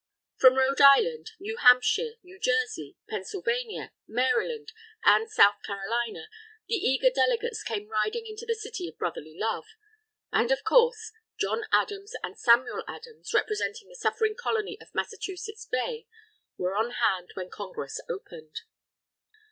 From Rhode Island, New Hampshire, New Jersey, Pennsylvania, Maryland, and South Carolina, the eager delegates came riding into the City of Brotherly Love. And, of course, John Adams and Samuel Adams, representing the suffering Colony of Massachusetts Bay, were on hand when Congress opened.